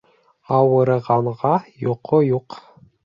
Ауырығанға йоҡо юҡ